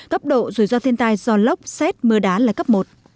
cấp độ rủi ro thiên tai do lốc xét mưa đá là cấp một